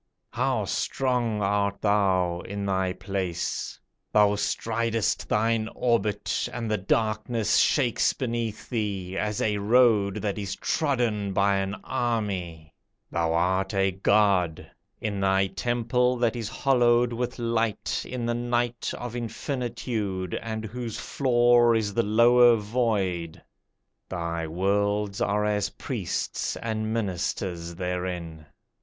How strong art thou in thy place! Thou stridest thine orbit, And the darkness shakes beneath thee, As a road that is trodden by an army. Thou art a god, In thy temple that is hollowed with light In the night of infinitude, And whose floor is the lower void; Thy worlds are as priests and ministers therein.